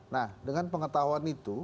nah dengan pengetahuan itu